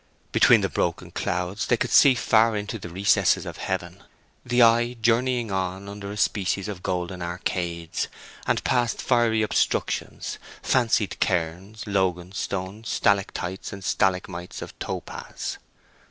Between the broken clouds they could see far into the recesses of heaven, the eye journeying on under a species of golden arcades, and past fiery obstructions, fancied cairns, logan stones, stalactites and stalagmite of topaz.